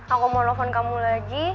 aku mau nelfon kamu lagi